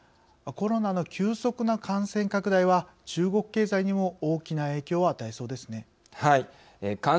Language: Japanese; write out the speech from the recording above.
コロナの急速な感染拡大は中国経済にも大きな影響を与えそうですね。